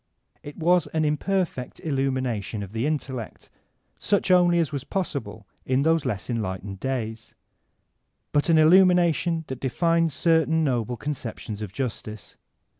'' It was an imperfect illumination of the intellect, such only as was possible in those less en lightened days, but an illumination that defined certain noble conceptions of justice.